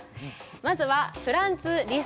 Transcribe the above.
まずはフランツ・リスト。